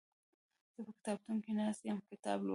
زه په کتابتون کې ناست يم کتاب لولم